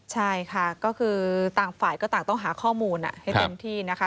ใช่ค่ะก็คือต่างฝ่ายก็ต่างต้องหาข้อมูลให้เต็มที่นะคะ